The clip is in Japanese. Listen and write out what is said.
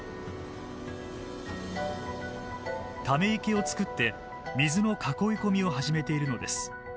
ため池を作って水の囲い込みを始めているのです。